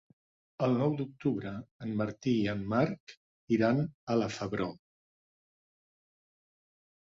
El nou d'octubre en Martí i en Marc iran a la Febró.